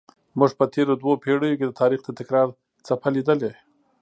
موږ په تېرو دوو پیړیو کې د تاریخ د تکرار څپه لیدلې.